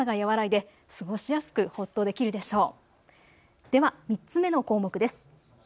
では３つ目の項目です。